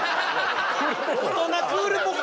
⁉大人クールポコ。